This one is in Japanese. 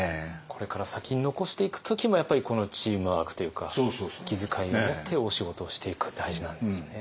これから先に残していく時もやっぱりこのチームワークというか気づかいを持ってお仕事をしていくって大事なんですね。